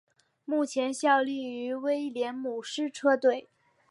目前效力于威廉姆斯车队。